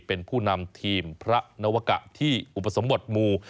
เป็นผู้นำทีมพระนวกะที่อุปสมบทหมู่